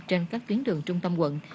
trên các tuyến đường trung tâm quận